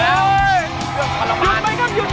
หยุดไปครับ